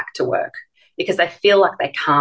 karena mereka merasa seperti mereka tidak bisa